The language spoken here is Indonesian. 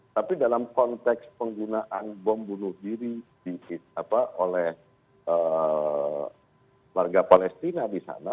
tapi dalam konteks penggunaan bom bunuh diri oleh warga palestina di sana